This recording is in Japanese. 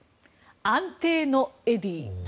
安定のエディ。